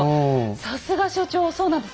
さすが所長そうなんです。